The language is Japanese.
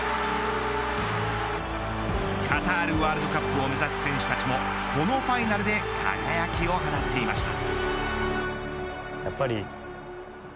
カタールワールドカップを目指す選手たちもこのファイナルで輝きを放っていました。